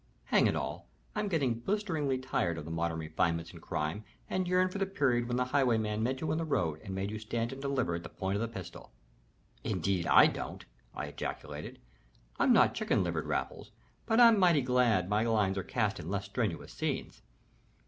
Hang it all I'm getting blisteringly tired of the modern refinements in crime, and yearn for the period when the highwayman met you on the road and made you stand and deliver at the point of the pistol." "Indeed I don't!" I ejaculated. "I'm not chicken livered, Raffles, but I'm mighty glad my lines are cast in less strenuous scenes.